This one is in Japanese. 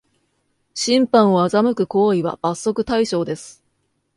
審判を欺く行為は罰則対象です